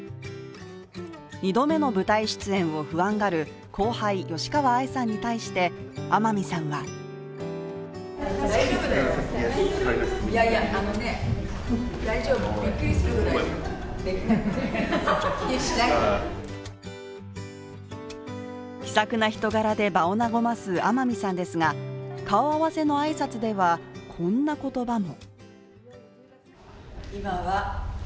２度目の舞台出演を不安がる後輩・吉川愛さんに対して天海さんは気さくな人柄で場を和ます天海さんですが顔合わせの挨拶では、こんな言葉も。